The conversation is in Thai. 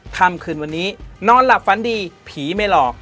ค่ำคืนวันนี้นอนหลับฝันดีผีไม่หลอก